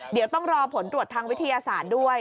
เดี๋ยวต้องรอผลตรวจทางวิทยาศาสตร์ด้วย